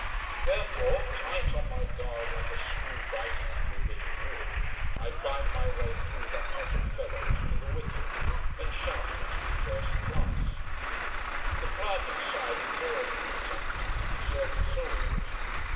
Therefore, tight on my guard, like a screw biting into a bit of wood, I bite my way through that knot of fellows, to the wicket, and shout for two first class. The clerk inside ignores me for some time, serving soldiers.